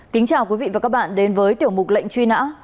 kính chào quý vị và các bạn đến với tiểu mục lệnh truy nã